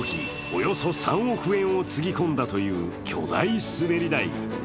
およそ３億円をつぎ込んだという巨大滑り台。